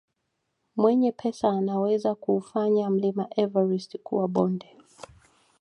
Mwenye pesa anaweza kuufanya mlima everist kuwa bonde